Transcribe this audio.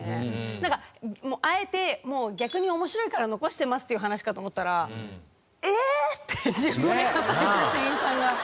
なんかあえてもう逆に面白いから残してますっていう話かと思ったら「えーっ！」って１５年働いてる店員さんが。